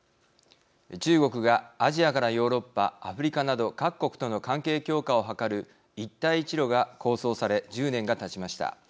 中国がアジアからヨーロッパアフリカなど各国との関係強化を図る一帯一路が構想され１０年がたちました。